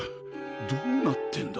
どうなってんだ？